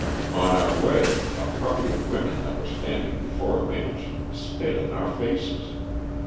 Oa our way a party of women that were standing before a mansion spit in our faces.